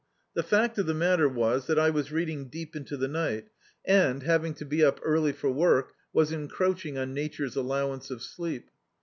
The fact of the matter was that I was reading deep into the ni^t and, having to be up early for work, was encroaching on Nature's allowance of sleep.